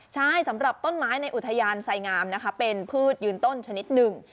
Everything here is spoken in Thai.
ใช่สำหรับต้นไม้ในอุทยานไสงามนะคะเป็นพืชยืนต้นชนิดหนึ่ง